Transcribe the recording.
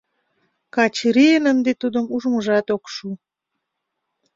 Качырийын ынде тудым ужмыжат ок шу.